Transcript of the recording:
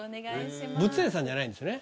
ブツエンさんじゃないんですよね？